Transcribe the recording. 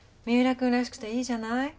三浦君らしくていいじゃない。